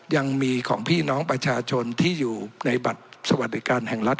ยังมีของพี่น้องประชาชนที่อยู่ในบัตรสวัสดิการแห่งรัฐ